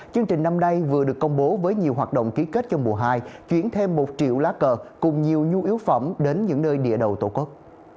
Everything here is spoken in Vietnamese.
chương trình năm nay vừa được công bố với nhiều hoạt động ký kết trong mùa hai chuyển thêm một triệu lá cờ cùng nhiều nhu yếu phẩm đến những nơi địa đầu tổ quốc